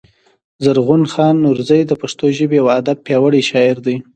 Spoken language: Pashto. زرغون خان نورزى د پښتو ژبـي او ادب پياوړی شاعر دﺉ.